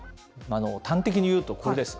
端的に言うとこれです。